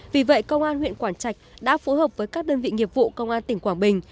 vì vậy công an huyện quảng trạch đã phối hợp với các đơn vị nghiệp vụ công an tỉnh quảng bình